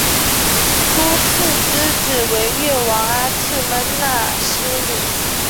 秃剌之子为越王阿剌忒纳失里。